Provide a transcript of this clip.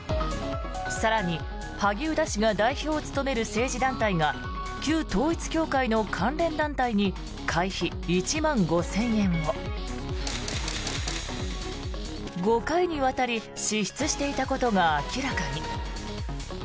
更に、萩生田氏が代表を務める政治団体が旧統一教会の関連団体に会費１万５０００円を５回にわたり支出していたことが明らかに。